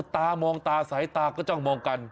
ตามองตาสายตาก็จ้องมองกัน